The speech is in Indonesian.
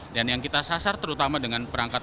dan yang kita sasar terutama dengan penyelenggaraan